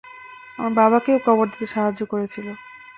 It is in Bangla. আমার বাবাকেও কবর দিতে সাহায্য করেছিল।